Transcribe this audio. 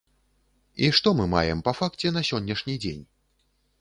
І што мы маем па факце на сённяшні дзень?